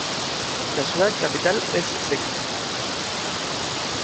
La ciudad capital es Şəki.